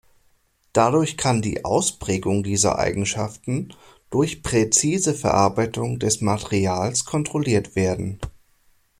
Dadurch kann die Ausprägung dieser Eigenschaften durch präzise Verarbeitung des Materials kontrolliert werden.